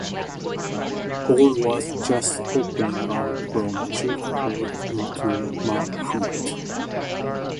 Paul was just opening out from childhood into manhood.